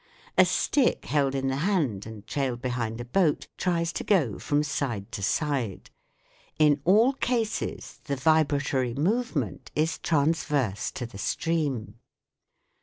A stick held in the hand and trailed behind a boat tries to go from side to side. In all cases the vibra tory movement is transverse to the stream.